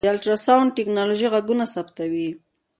د الټراسونډ ټکنالوژۍ غږونه ثبتوي.